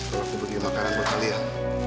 kalau aku beli makanan buat kalian